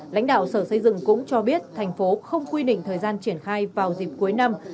lãnh đạo sở xây dựng cũng cho biết thành phố không quy định thời gian triển khai vào dịp cuối năm